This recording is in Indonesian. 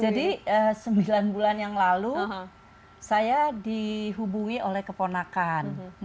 jadi sembilan bulan yang lalu saya dihubungi oleh keponakan